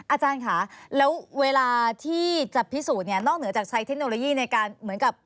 อาจารย์ค่ะแล้วเวลาที่จะพิสูจน์เนี่ยนอกเหนือจากใช้เทคโนโลยีในการเหมือนกับ